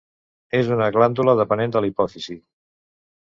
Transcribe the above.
És una glàndula dependent de la hipòfisi.